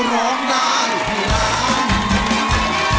ร้องด้านให้ร้าน